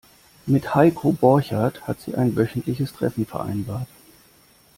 Mit Heiko Borchert hat sie ein wöchentliches Treffen vereinbart.